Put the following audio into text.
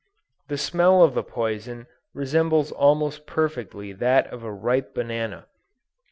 The smell of the poison resembles almost perfectly that of a ripe banana.